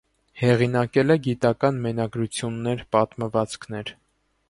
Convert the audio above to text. Հեղինակել է գիտական մենագրություններ, պատմվածքներ։